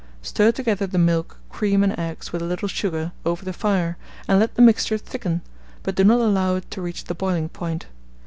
Stir together the milk, cream, and eggs, with a little sugar, over the fire, and let the mixture thicken, but do not allow it to reach the boiling point.